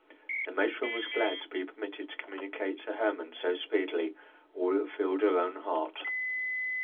The matron was glad to be permitted to communicate to Hermon so speedily all that filled her own heart.